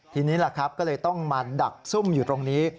ทีนี้ก็เลยต้องมาดักซุ่มอยู่ตรงนี้